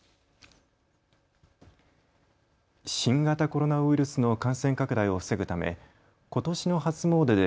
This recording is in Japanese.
新型コロナウイルスの感染拡大を防ぐためことしの初詣で